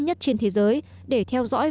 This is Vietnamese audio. nhất trên thế giới để theo dõi